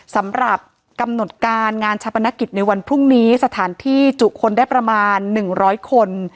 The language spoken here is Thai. สำหรับกำหนดการงานชาปนกิจในวันพรุ่งนี้สถานที่จุคนได้ประมาณ๑๐๐คน